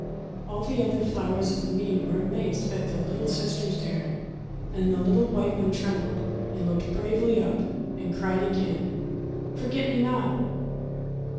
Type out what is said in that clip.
All the other flowers of the mead were amazed at their little sister's daring, and the little white one trembled, but looked bravely up, and cried again: — "Forget me not